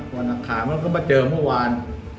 น่าจะเริ่มหาตั้งแต่วันอักขาเขาก็มาเจอเมื่อวาน